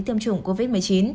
tiêm chủng covid một mươi chín